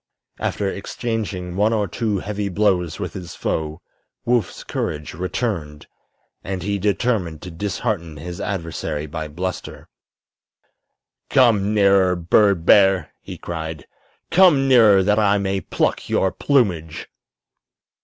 After exchanging one or two heavy blows with his foe Woof's courage returned, and he determined to dishearten his adversary by bluster. "Come nearer, bird bear!" he cried. "Come nearer, that I may pluck your plumage!"